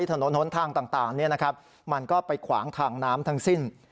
ถนนหนทางต่างมันก็ไปขวางทางน้ำทั้งสิ้น